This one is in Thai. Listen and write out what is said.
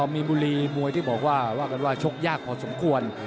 มีมุยมวยที่บอกว่าชกยากพอสมควร